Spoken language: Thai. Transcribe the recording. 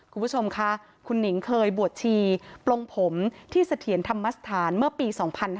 คุณผู้ชมค่ะคุณหนิงเคยบวชชีปลงผมที่เสถียรธรรมสถานเมื่อปี๒๕๕๙